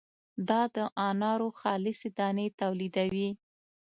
او د انارو خالصې دانې تولیدوي.